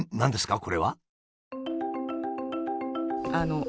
これは。